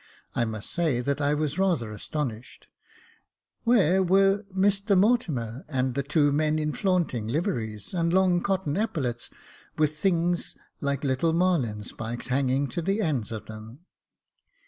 I must say that I was rather astonished ; where were Mr Mortimer, and the two men in flaunting liveries, and long cotton epaulettes with things like little marline spikes hanging to the ends of them